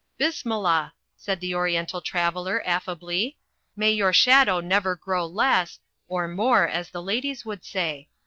"Bismillah," said the oriental traveller, affably, "may your shadow never grow less — or more, as the ladies would say.